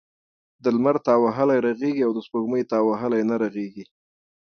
د لمر تاو وهلی رغیږي او دسپوږمۍ تاو وهلی نه رغیږی .